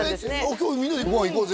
「今日みんなでご飯行こうぜ」